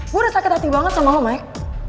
gue udah sakit hati banget sama lo maik